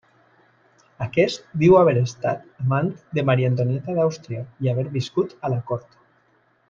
Aquest diu haver estat amant de Maria Antonieta d'Àustria i haver viscut a la cort.